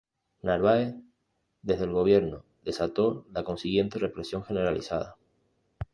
Narváez, desde el gobierno, desató la consiguiente represión generalizada.